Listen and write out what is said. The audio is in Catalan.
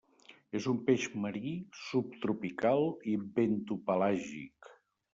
És un peix marí, subtropical i bentopelàgic.